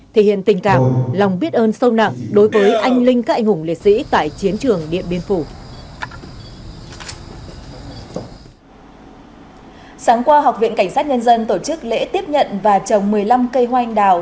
thể hiện tình cảm lòng biết ơn sâu nặng đối với anh linh các anh hùng liệt sĩ tại chiến trường điện biên phủ